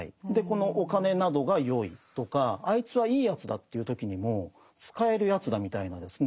お金などがよいとかあいつはいいやつだとか言う時にも使えるやつだみたいなですね